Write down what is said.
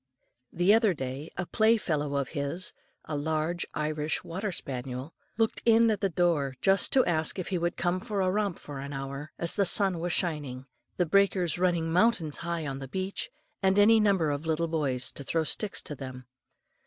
The other day a playfellow of his, a large Irish water spaniel, looked in at the door just to ask if he would come for a romp for an hour, as the sun was shining, the breakers running mountains high on the beach, and any number of little boys to throw in sticks to them.